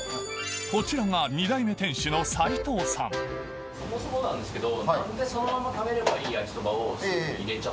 こちらがそもそもなんですけど。